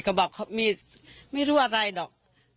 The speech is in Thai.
เขาบอกไม่รู้ว่าอะไร๊ดอก